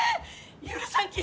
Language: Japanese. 許さんき！